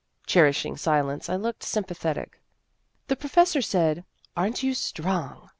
Cherishing silence, I looked sympa thetic. " The professor said, ' Are n't you strong